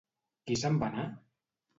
Qui se'n va anar?